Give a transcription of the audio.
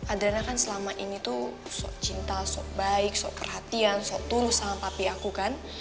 adriana kan selama ini tuh sok cinta sok baik sok perhatian sok tulus sama papi aku kan